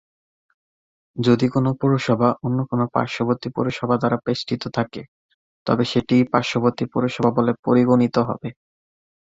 যদি কোনও পৌরসভা অন্য কোনো পার্শ্ববর্তী পৌরসভা দ্বারা বেষ্টিত থাকে তবে সেটি পার্শ্ববর্তী পৌরসভা বলে পরিগণিত হবে।